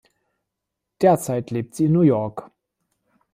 Derzeit lebt sie in New York.